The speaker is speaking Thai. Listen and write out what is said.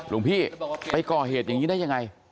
หลวงพี่ไปก่อเหตุอย่างนี้ได้ยังไง